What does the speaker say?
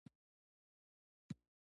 څرنګه چې راتلونکی لا دمخه دوه اونۍ ځنډیدلی دی